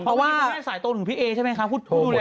เพราะว่าไม่ได้สายตรงของพี่เอ๊ใช่ไหมคะพูดโทรหมด